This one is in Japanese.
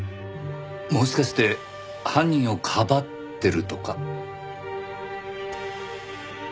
もしかして犯人をかばってるとか？